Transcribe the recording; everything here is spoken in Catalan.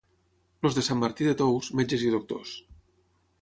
Els de Sant Martí de Tous, metges i doctors.